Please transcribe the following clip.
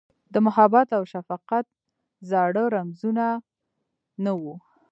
د محبت اوشفقت زاړه رمزونه، نه وه